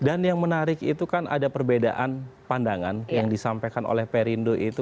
dan yang menarik itu kan ada perbedaan pandangan yang disampaikan oleh perindo itu